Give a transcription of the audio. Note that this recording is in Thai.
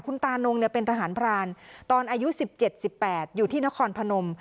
คุณตานงเป็นทหารพรานตอนอายุ๑๗๑๘อยู่ที่นครพนม